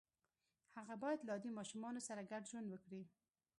هغه باید له عادي ماشومانو سره ګډ ژوند وکړي